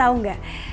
aku tau gak